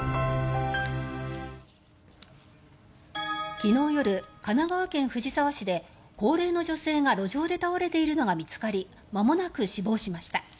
昨日夜、神奈川県藤沢市で高齢の女性が路上で倒れているのが見つかりまもなく死亡しました。